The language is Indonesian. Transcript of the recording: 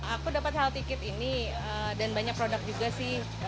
aku dapat healthy kit ini dan banyak produk juga sih